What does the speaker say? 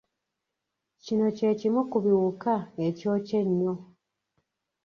Kino kye kimu ku biwuka ekyokya ennyo.